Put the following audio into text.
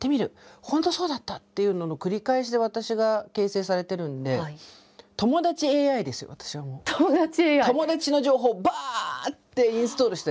「本当そうだった！」っていうのの繰り返しで私が形成されてるんで友達の情報をバッてインストールしたＡＩです私は。